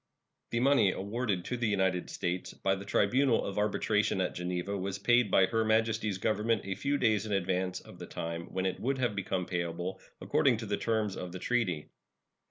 The money awarded to the United States by the tribunal of arbitration at Geneva was paid by Her Majesty's Government a few days in advance of the time when it would have become payable according to the terms of the treaty.